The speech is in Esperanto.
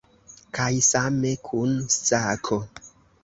Kaj same kun sako.